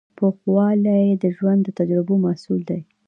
پوخوالی د ژوند د تجربو محصول دی.